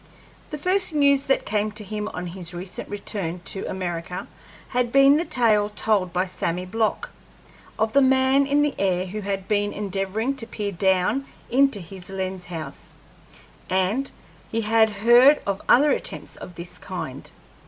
The first news that came to him on his recent return to America had been the tale told by Sammy Block, of the man in the air who had been endeavoring to peer down into his lens house, and he had heard of other attempts of this kind.